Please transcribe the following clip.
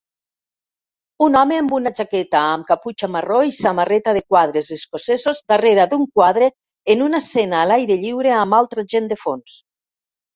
Un home amb una jaqueta amb caputxa marró i samarreta de quadres escocesos darrera d'un quadre en una escena a l'aire lliure amb altra gent de fons